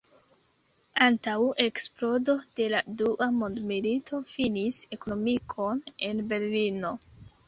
Antaŭ eksplodo de la dua mondmilito finis ekonomikon en Berlino.